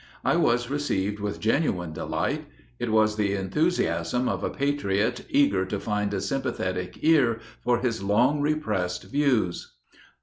I was received with genuine delight. It was the enthusiasm of a patriot eager to find a sympathetic ear for his long repressed views.